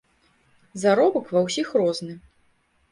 Заробак ва ўсіх розны.